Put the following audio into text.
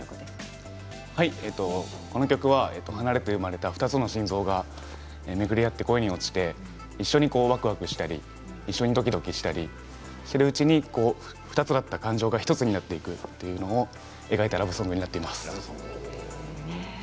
離れて生まれた２つの心臓が巡り会って恋に落ちて一緒にわくわくしたり一緒にドキドキしたりそうしているうちに２つあった感情が１つになっていくというのを描いたラブソングになっています。